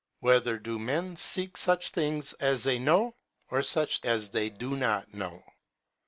Whether do men seek such things as they know, or such as they do not know